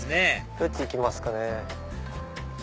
どっち行きますかね。